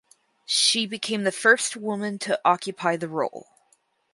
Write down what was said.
She became the first woman to occupy the role.